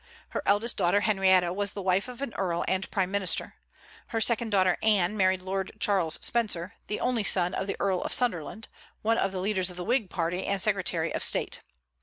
Her eldest daughter, Henrietta, was the wife of an earl and prime minister. Her second daughter, Anne, married Lord Charles Spencer, the only son of the Earl of Sunderland, one of the leaders of the Whig party and secretary of state.